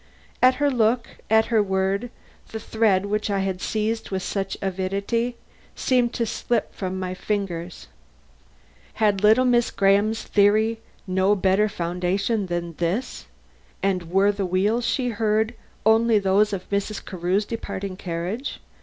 At her look, at her word, the thread which I had seized with such avidity seemed to slip from my fingers. Had little Miss Graham's theory no better foundation than this? and were the wheels she heard only those of Mrs. Carew's departing carriage?